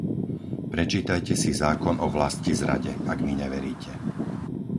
Prečítajte si zákon o vlastizrade, ak mi neveríte!